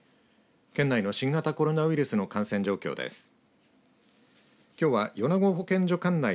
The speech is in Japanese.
県内の新型コロナウイルスの感染状況です。